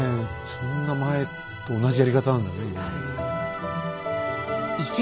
そんな前と同じやり方なんだね。